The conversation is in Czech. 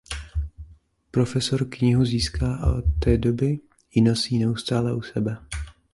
Profesor knihu získá a od té doby ji nosí neustále u sebe.